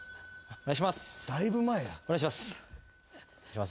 お願いします。